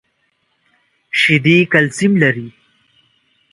شیدې کلسیم لري .